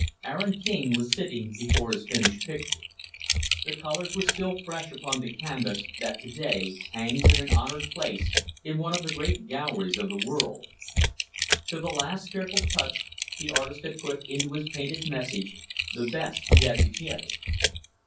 Aaron King was sitting before his finished picture. The colors were still fresh upon the canvas that, to day, hangs in an honored place in one of the great galleries of the world. To the last careful touch, the artist had put into his painted message, the best he had to give.